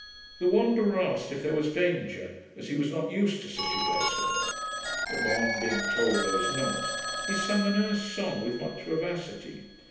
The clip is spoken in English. The Wanderer asked if there was danger, as he was not used to such a vessel. Upon being told there was not, he sung an Erse song with much vivacity.